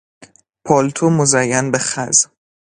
پالتو مزین به خز